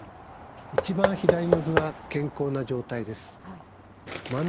一番左の図は健康な状態です。